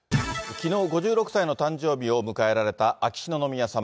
きのう５６歳の誕生日を迎えられた秋篠宮さま。